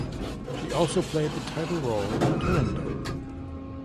She also played the title role in "Turandot".